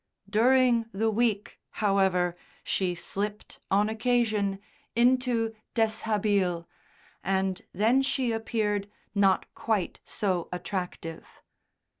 During the week, however, she slipped, on occasion, into "déshabille," and then she appeared not quite so attractive.